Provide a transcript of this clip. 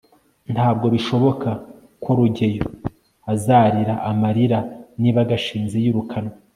ntabwo bishoboka ko rugeyo azarira amarira niba gashinzi yirukanwe